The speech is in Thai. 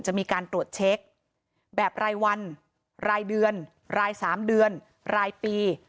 จะมีการตรวจเช็คแบบรายวันรายเดือนราย๓เดือนรายปี